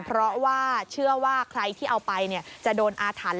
เพราะว่าเชื่อว่าใครที่เอาไปจะโดนอาถรรพ์